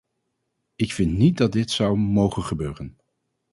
Ik vind niet dat dat dit zou mogen gebeuren.